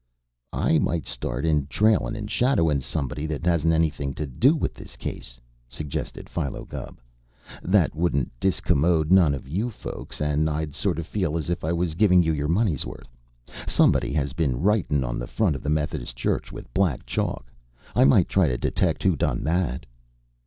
"I might start in trailing and shadowing somebody that hasn't anything to do with this case," suggested Philo Gubb. "That wouldn't discommode none of you folks, and I'd sort of feel as if I was giving you your money's worth. Somebody has been writin' on the front of the Methodist Church with black chalk. I might try to detect who done that."